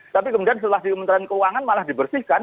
tapi kemudian setelah di kementerian keuangan malah dibersihkan